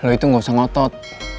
lo itu gak usah ngotot